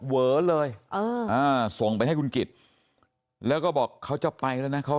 เวอเลยส่งไปให้คุณกิจแล้วก็บอกเขาจะไปแล้วนะเขา